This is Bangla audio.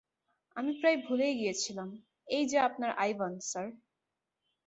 আমি প্রায় ভুলেই গিয়েছিলাম, এইযে আপনার আইভান, স্যার!